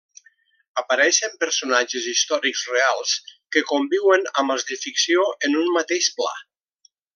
Apareixen personatges històrics reals que conviuen amb els de ficció en un mateix pla.